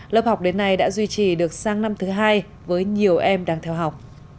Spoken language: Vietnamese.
lớp học đến nay đã duy trì được sang năm thứ hai với nhiều em đang theo học